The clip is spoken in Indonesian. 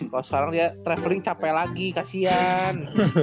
kalo sekarang dia travelling cape lagi kasihan